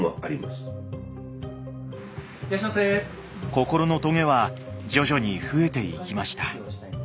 心のトゲは徐々に増えていきました